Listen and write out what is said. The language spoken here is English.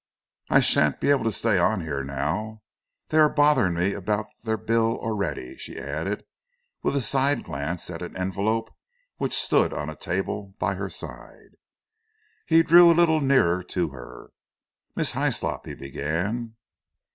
I shan't be able to stay on here now. They are bothering me about their bill already," she added, with a side glance at an envelope which stood on a table by her side. He drew a little nearer to her. "Miss Hyslop " he began.